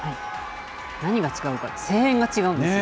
何が違うかって、声援が違うんですよ。